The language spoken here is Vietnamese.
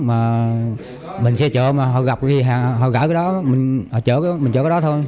mà mình xe chở mà họ gặp họ gãi cái đó mình chở cái đó thôi